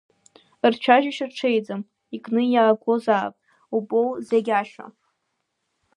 Рцәажәашьа ҽеиӡам, икны иагозаап, убоу, зегь ашәа!